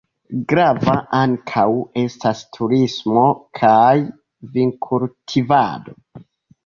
Grava ankaŭ estas turismo kaj vinkultivado.